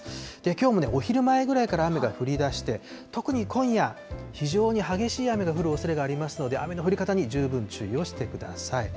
きょうもお昼前ぐらいから雨が降りだして、特に今夜、非常に激しい雨が降るおそれがありますので、雨の降り方に十分注意をしてください。